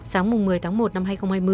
sáng một mươi tháng một năm hai nghìn hai mươi